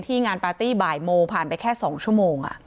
งานปาร์ตี้บ่ายโมงผ่านไปแค่๒ชั่วโมง